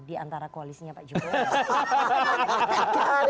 di antara koalisinya pak jokowi